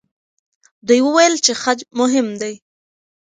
دوی وویل چې خج مهم دی.